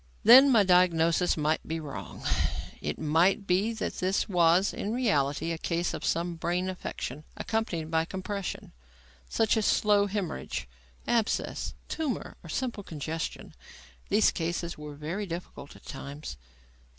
Then, my diagnosis might be wrong. It might be that this was, in reality, a case of some brain affection accompanied by compression, such as slow haemorrhage, abscess, tumour or simple congestion. These cases were very difficult at times.